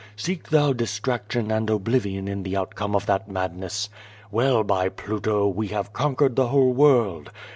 Seek thou distraction and oblivion in the outcome of that madness. Well, by Pluto! we have conquered the whole world.